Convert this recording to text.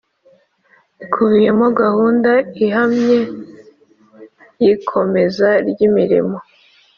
ikubiyemo gahunda ihamye y ikomeza ry imirimo